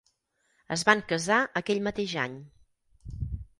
Es van casar aquell mateix any.